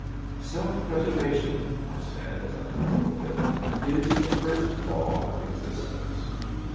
" Self preservation," I said, as I took hold of it, " is the first law of existence."